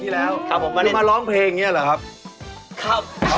สวัสดีค่ะ